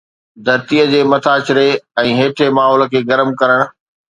ڌرتيءَ جي مٿاڇري ۽ هيٺين ماحول کي گرم ڪرڻ